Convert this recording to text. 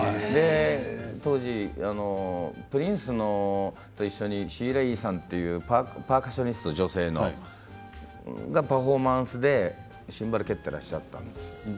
当時プリンスと一緒にシーラ・Ｅ３というパーカッショニスト、女性のパフォーマンスでシンバルを蹴っていらっしゃったんですよ。